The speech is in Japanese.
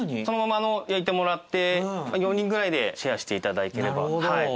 そのまま焼いてもらって４人ぐらいでシェアしていただければ。